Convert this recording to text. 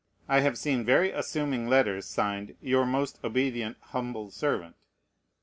I have seen very assuming letters signed, "Your most obedient, humble servant."